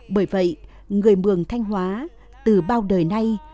bởi vậy người mường thanh hóa từ bao đời nay